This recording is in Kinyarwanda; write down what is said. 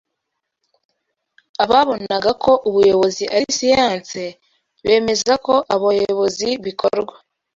Ababonaga ko ubuyobozi ari siyanse bemeza ko abayobozi bikorwa